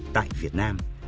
tại việt nam